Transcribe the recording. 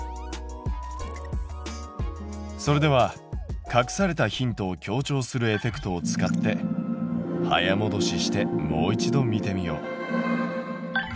それでは隠されたヒントを強調するエフェクトを使って早もどししてもう一度見てみよう。